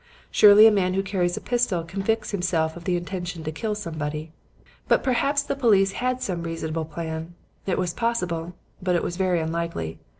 Surely a man who carries a pistol convicts himself of the intention to kill somebody. "But perhaps the police had some reasonable plan. It was possible, but it was very unlikely.